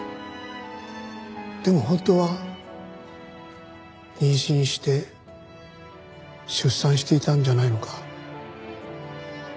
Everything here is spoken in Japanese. でも本当は妊娠して出産していたんじゃないのか？